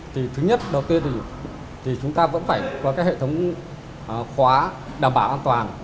thì thứ nhất đầu tiên thì chúng ta vẫn phải có cái hệ thống khóa đảm bảo an toàn